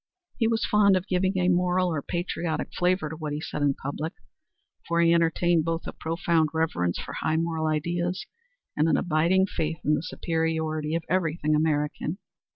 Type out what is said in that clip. He was fond of giving a moral or patriotic flavor to what he said in public, for he entertained both a profound reverence for high moral ideas and an abiding faith in the superiority of everything American.